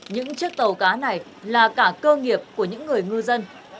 những chiếc tàu cá này là cả cơ nghiệp của những người ngư dân